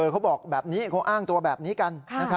เขาบอกแบบนี้เขาอ้างตัวแบบนี้กัน